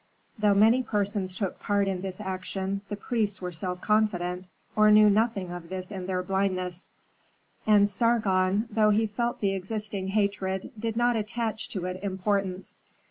Though many persons took part in this action, the priests were self confident, or knew nothing of this in their blindness; and Sargon, though he felt the existing hatred, did not attach to it importance.